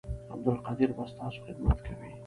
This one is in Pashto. عبدالقدیر به ستاسو خدمت کوي